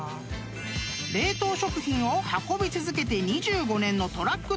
［冷凍食品を運び続けて２５年のトラック